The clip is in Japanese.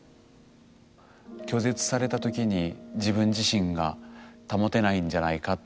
拒絶されたときに自分自身が保てないんじゃないかという不安。